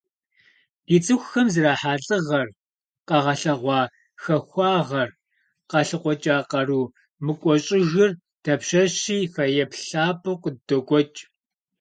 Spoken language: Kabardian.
Ди цӀыхухэм зэрахьа лӀыгъэр, къагъэлъэгъуа хахуагъэр, къалъыкъуэкӀа къару мыкӀуэщӀыжыр дапщэщи фэеплъ лъапӀэу къыддокӀуэкӀ.